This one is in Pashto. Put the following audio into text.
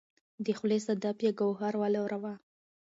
د خولې صدف یې ګوهر ولوراوه